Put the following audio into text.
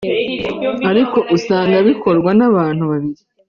ariko usanga bikorwa n’abantu babiri